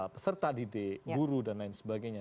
peserta didik guru dan lain sebagainya